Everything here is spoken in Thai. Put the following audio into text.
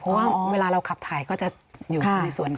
เพราะว่าเวลาเราขับถ่ายก็จะอยู่ในส่วนของ